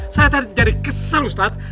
saya tadi jadi kesal ustadz